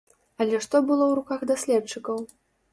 Але што было ў руках даследчыкаў?